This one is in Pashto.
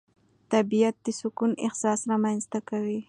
طبیعت د سکون احساس رامنځته کوي